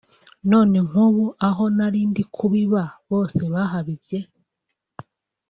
None nk’ubu aho narindi kubiba bose bahabibye